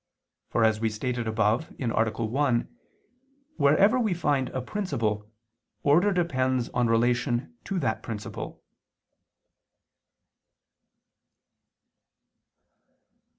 For as we stated above (A. 1), wherever we find a principle, order depends on relation to that principle.